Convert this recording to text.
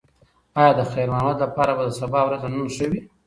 ایا د خیر محمد لپاره به د سبا ورځ له نن ښه وي؟